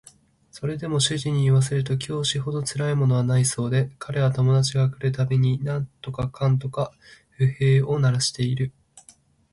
それでも主人に言わせると教師ほどつらいものはないそうで彼は友達が来る度に何とかかんとか不平を鳴らしている